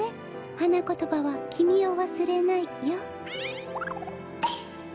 はなことばは「きみをわすれない」よ。